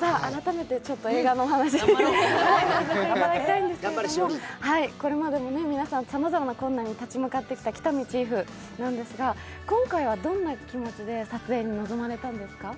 改めて映画のお話をさせていただきたいんですけど、これまでも皆さん、さまざまな困難に立ち向かってきた喜多見チーフなんですが、今回はどんな気持ちで撮影に臨まれたんですか？